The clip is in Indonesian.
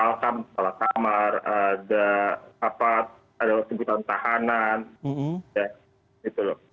ada palkan di dalam kamar ada apa ada sebutan tahanan ya itu lho